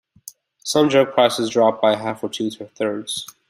Some drug prices dropped by half or two-thirds.